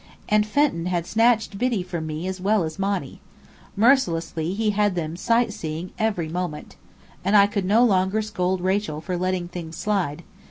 And Fenton had snatched Biddy from me as well as Monny. Mercilessly he had them sightseeing every moment. And I could no longer scold Rachel for "letting things slide."